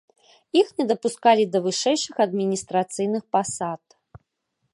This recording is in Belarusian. Іх не дапускалі да вышэйшых адміністрацыйных пасад.